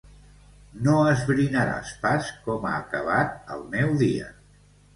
No esbrinaràs pas com ha acabat el meu dia.